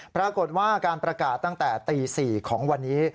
ปรากฏว่าการประกาศตั้งแต่ตี๔ของวันนี้